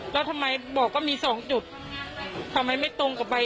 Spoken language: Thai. แล้วทำไมบอกว่ามีสองจุดทำไมไม่ตรงกับใบ